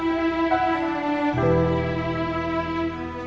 dan melakukan perpesan karakter yang indah